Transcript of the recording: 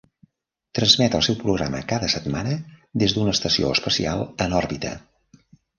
Transmet el seu programa cada setmana des d'una estació espacial en òrbita.